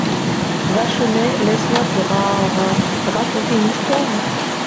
Vachonnet Laisse-moi te ra … ra … raconter une histoire ?